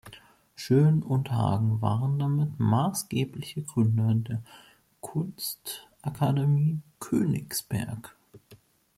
Schön und Hagen waren damit maßgebliche Gründer der Kunstakademie Königsberg.